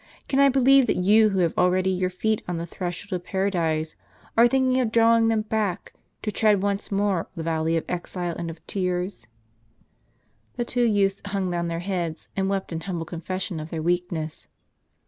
Can I believe that you who have already your feet on the threshold of Paradise, are thinking of drawing them back, to tread once more the valley of exile and of tears ?" The two youths hung down their heads and wept in humble confession of their weakness.